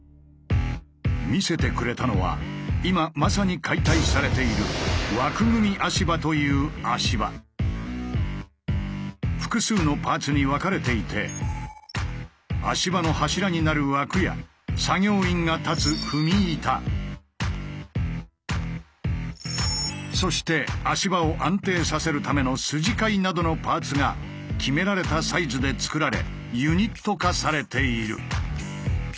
見せてくれたのは今まさに解体されている複数のパーツに分かれていて足場の柱になる枠や作業員が立つ踏み板そして足場を安定させるための筋交いなどのパーツが決められたサイズでつくられユニット化されている。